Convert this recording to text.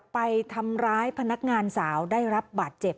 ไปทำร้ายพนักงานสาวได้รับบาดเจ็บ